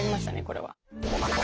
これは。